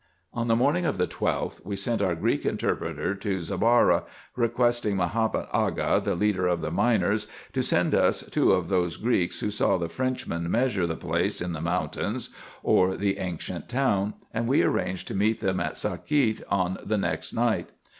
On the morning of the 12th we sent our Greek interpreter to IN EGYPT, NUBIA, &c. 337 Zabara, requesting Mahomet Aga, the leader of the miners, to send us two of those Greeks who saw the Frenchman measure the place in the mountains, or the ancient town ; and we arranged to meet them at Sakiet, on the next night.